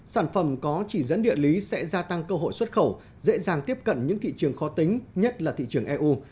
sản phẩm có chỉ dẫn địa lý sẽ gia tăng cơ hội xuất khẩu dễ dàng tiếp cận những thị trường khó tính nhất là thị trường eu